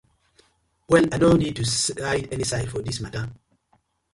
Well I no need to side any side for dis matta.